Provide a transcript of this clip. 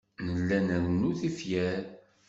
Nella nrennu tifyar.